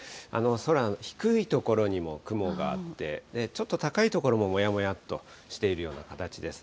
空、低い所にも雲があって、ちょっと高い所ももやもやっとしているような形です。